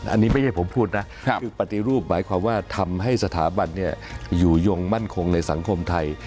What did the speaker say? อันนี้ไม่ใช่ผมพูดนะคือปฏิรูปหมายความว่าทำให้สถาบันอยู่ยงมั่นคงในสังคมไทย